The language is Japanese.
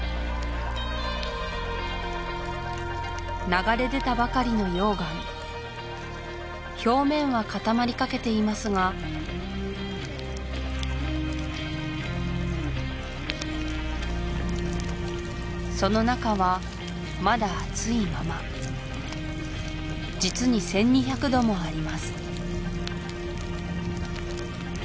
流れ出たばかりの溶岩表面は固まりかけていますがその中はまだ熱いまま実に１２００度もあります